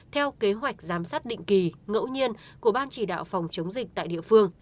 theo kế hoạch giám sát định kỳ ngẫu nhiên của ban chỉ đạo phòng chống dịch tại địa phương